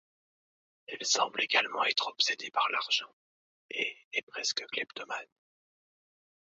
Elle semble également être obsédée par l'argent, et est presque kleptomane.